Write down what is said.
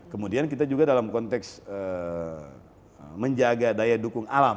kemudian kita juga dalam konteks menjaga daya dukung alam